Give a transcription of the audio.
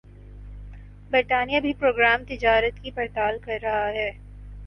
برطانیہ بھِی پروگرام تجارت کی پڑتال کر رہا ہے